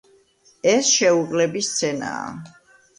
ეს შეუღლების სცენაა.